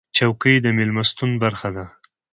چوکۍ د میلمستون برخه ده.